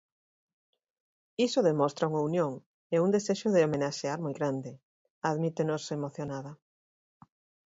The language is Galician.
Iso demostra unha unión e un desexo de homenaxear moi grande, admítenos, emocionada.